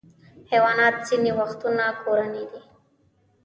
حیوانات ځینې وختونه کورني دي.